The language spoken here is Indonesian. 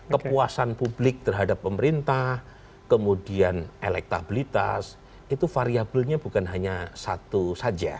kepuasan publik terhadap pemerintah kemudian elektabilitas itu variabelnya bukan hanya satu saja